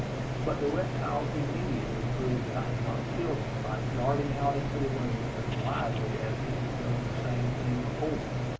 But the reptile immediately proved that I had not killed him by darting out into the room as lively as he had done the same thing before.